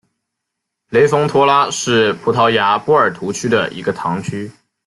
雷丰托拉是葡萄牙波尔图区的一个堂区。